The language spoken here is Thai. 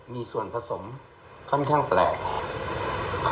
พี่นวัลโอเค